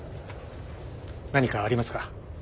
何かありますか？